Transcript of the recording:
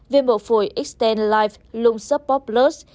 viên bộ phổi x một mươi life lung support plus